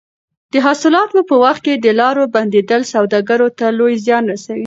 د حاصلاتو په وخت کې د لارو بندېدل سوداګرو ته لوی زیان رسوي.